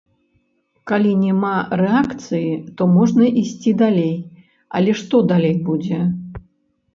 Калі няма рэакцыі, то можна ісці далей, але што далей будзе?